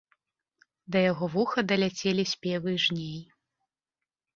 Да яго вуха даляцелі спевы жней.